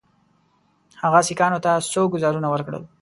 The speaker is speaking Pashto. هغه سیکهانو ته څو ګوزارونه ورکړل.